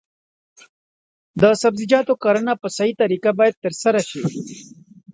د سبزیجاتو کرنه په صحي طریقه باید ترسره شي.